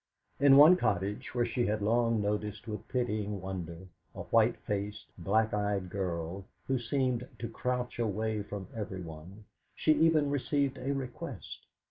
In one cottage, where she had long noticed with pitying wonder a white faced, black eyed girl, who seemed to crouch away from everyone, she even received a request.